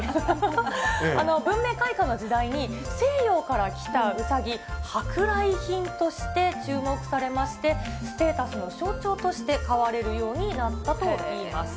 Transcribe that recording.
文明開化の時代に、西洋から来たうさぎ、舶来品として注目されまして、ステータスの象徴として、飼われるようになったといいます。